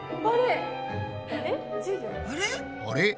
あれ？